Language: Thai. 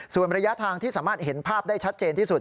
ส่วนระยะทางที่สามารถเห็นภาพได้ชัดเจนที่สุด